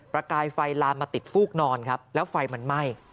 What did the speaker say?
กายไฟลามมาติดฟูกนอนครับแล้วไฟมันไหม้